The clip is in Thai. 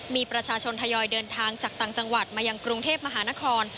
มีประชาชนทยอยเดินทางจากต่างจังหวัดมายังกรุงเทพมหานคร